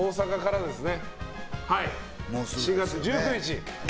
４月１９日。